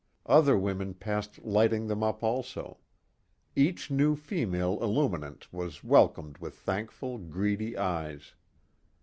Other women passed lighting them up also. Each new female illuminant was welcomed with thankful, greedy eyes.